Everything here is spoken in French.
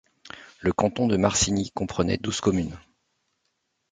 Le canton de Marcigny comprenait douze communes.